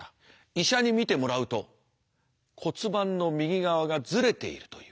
医者に診てもらうと骨盤の右側がずれているという。